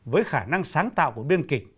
với khả năng sáng tạo của biên kịch